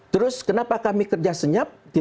terus kenapa kami kerja senyap